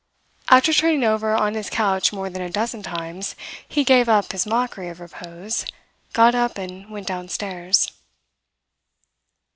After turning over on his couch more than a dozen times, he gave up this mockery of repose, got up, and went downstairs.